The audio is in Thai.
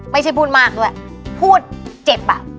ไม่ใช่พูดมากด้วยพูดเจ็บอ่ะอ๋อ